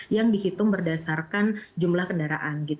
yang dihitung berdasarkan jumlah kendaraan